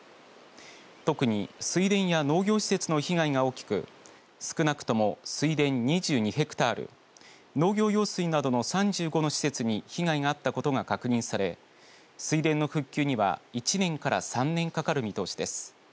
特に水田や農業施設の被害が大きく少なくとも水田２２ヘクタール農業用水などの３５の施設に被害があったことが確認され水田の復旧には１年から３年かかる見通しです。